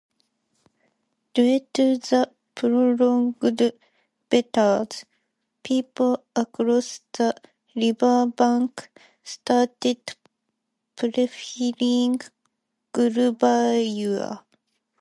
Due to the prolonged battles, people across the riverbank started preferring Guruvayur.